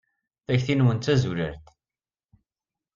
Takti-nwen d tazulalt.